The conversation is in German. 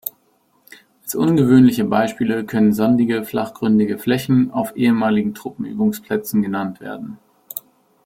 Als ungewöhnliche Beispiele können sandige, flachgründige Flächen auf ehemaligen Truppenübungsplätzen genannt werden.